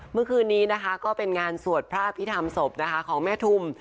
เมื่อคืนนี้ก็เป็นงานสวดพระพิธามศพของแม่ถุ่ม